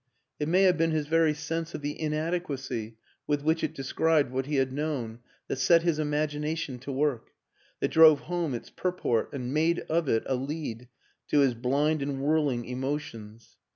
It may have been his very sense of the inadequacy with which it described what he had known that set his im agination to work, that drove home its purport and made of it a lead to his blind and whirling emotions.